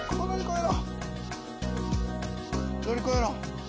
乗り越えろ。